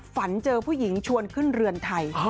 ฝันเจอผู้หญิงชวนขึ้นเรือนไทย